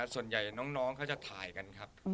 ส่วนใหญ่น้องเขาจะถ่ายกันครับ